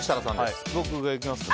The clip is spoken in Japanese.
僕が行きますか？